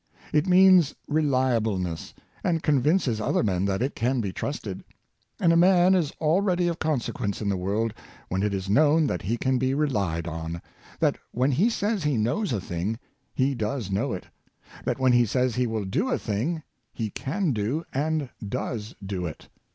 It means reliableness, and convinces other men that it can be trusted. And a man is al ready of consequence in the world when it is known that he can be relied on — that when he says he knows a thing, he does know it; that when he says he will do a thing, he can do, and does do it.